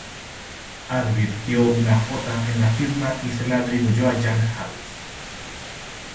Advirtió una "J" en la firma y se la atribuyó a Jan Hals.